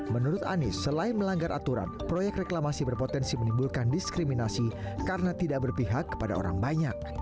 menurut anies selain melanggar aturan proyek reklamasi berpotensi menimbulkan diskriminasi karena tidak berpihak kepada orang banyak